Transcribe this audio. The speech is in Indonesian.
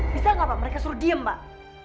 bisa nggak pak mereka suruh diem pak